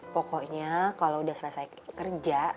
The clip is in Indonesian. pokoknya kalau udah selesai kerja